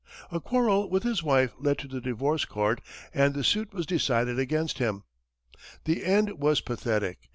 A quarrel with his wife led to the divorce court, and the suit was decided against him. The end was pathetic.